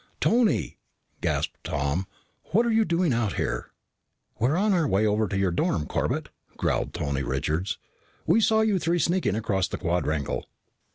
"Tony!" gasped Tom. "What are you doing out here?" "We were on our way over to your dorm, Corbett," growled Tony Richards. "We saw you three sneaking across the quadrangle."